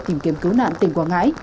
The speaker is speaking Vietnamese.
tìm kiếm cứu nạn tỉnh quảng ngãi